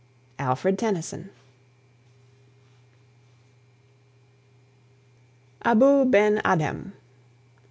ALFRED TENNYSON. ABOU BEN ADHEM.